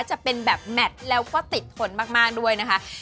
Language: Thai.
จะเป็นแบบแมทแล้วก็ติดทนมากด้วยนะคะ